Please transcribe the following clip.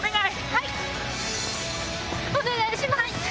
はい！